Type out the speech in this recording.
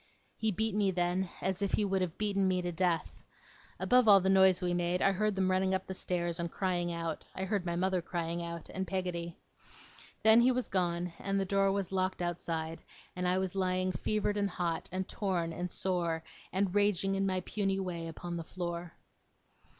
He beat me then, as if he would have beaten me to death. Above all the noise we made, I heard them running up the stairs, and crying out I heard my mother crying out and Peggotty. Then he was gone; and the door was locked outside; and I was lying, fevered and hot, and torn, and sore, and raging in my puny way, upon the floor.